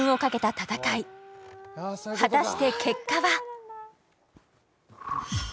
戦い果たして結果は？